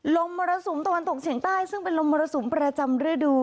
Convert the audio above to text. มรสุมตะวันตกเฉียงใต้ซึ่งเป็นลมมรสุมประจำฤดู